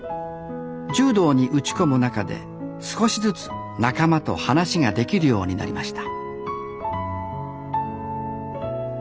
柔道に打ち込む中で少しずつ仲間と話ができるようになりました